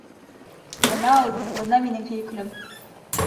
Бына ул, бына минең һөйөклөм!